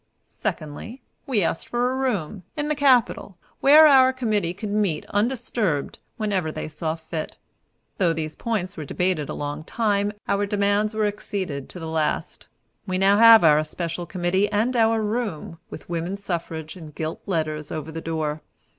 Secondly, we asked for a room, in the Capitol, where our committee could meet, undisturbed, whenever they saw fit. Though these points were debated a long time, our demands were acceded to at last. We now have our special committee, and our room, with "Woman Suffrage" in gilt letters, over the door.